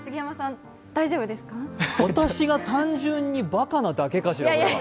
私が単純にばかなだけかしら、これは。